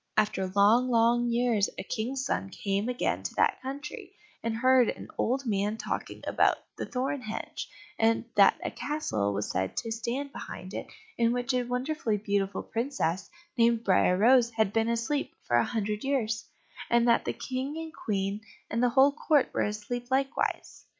After long, long years a King's son came again to that country, and heard an old man talking about the thorn hedge, and that a castle was said to stand behind it in which a wonderfully beautiful princess, named Briar rose, had been asleep for a hundred years; and that the King and Queen and the whole court were asleep likewise.